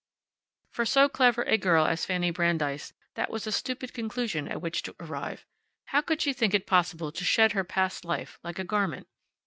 For so clever a girl as Fanny Brandeis, that was a stupid conclusion at which to arrive. How could she think it possible to shed her past life, like a garment?